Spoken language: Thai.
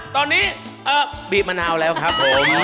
ตอนนี้บีบมะนาวแล้วครับผม